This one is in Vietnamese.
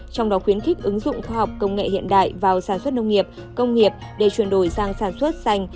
trong đó khuyến khích ứng dụng khoa học công nghệ hiện đại vào sản xuất nông nghiệp công nghiệp để chuyển đổi sang sản xuất xanh